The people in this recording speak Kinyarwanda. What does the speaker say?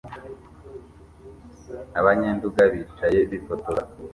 abanyenduga bicaye bifotoza